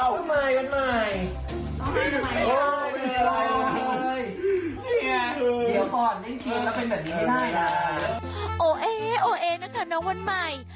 โอ๊ะเอ๊ะโอ๊ะเอ๊ะนะคะน้องวันใหม่